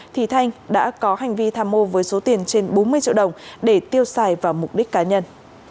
thì thanh đã có hành vi tham mô với số tiền trên bốn mươi triệu đồng để tiêu xài vào mục đích cá nhân